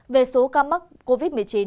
về số ca mắc covid một mươi chín